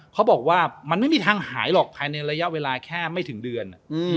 เขาบอกว่ามันไม่มีทางหายหรอกภายในระยะเวลาแค่ไม่ถึงเดือน